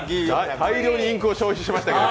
大量にインクを消費しましたけど。